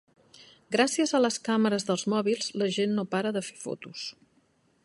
Gràcies a les càmeres dels mòbils la gent no para de fer fotos.